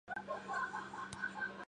Không gian về đêm im lặng như tờ